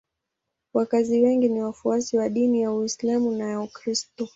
Wakazi wengi ni wafuasi wa dini ya Uislamu na ya Ukristo.